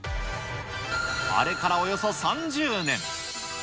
あれからおよそ３０年。